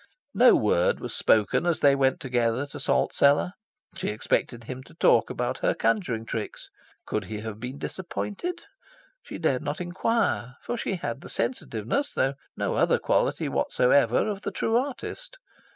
No word was spoken as they went together to Salt Cellar. She expected him to talk about her conjuring tricks. Could he have been disappointed? She dared not inquire; for she had the sensitiveness, though no other quality whatsoever, of the true artist.